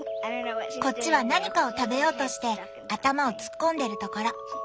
こっちは何かを食べようとして頭を突っ込んでるところ。